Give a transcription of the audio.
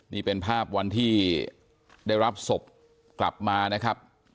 นี่เป็นภาพวันที่ได้รับศพกลับมานะครับ